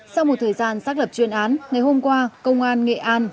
sau một thời gian xác lập chuyên án ngày hôm qua công an nghệ an